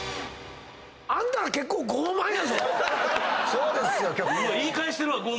そうですよ極論。